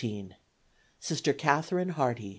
Sister Catharine Harty.